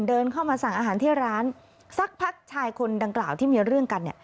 เดินเข้ามาสั่งอาหารที่ร้านสักพักชายคนดังกล่าวที่มีเรื่องกันเนี่ย